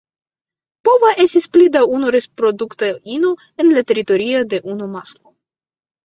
Pova esti pli da unu reprodukta ino en la teritorio de unu masklo.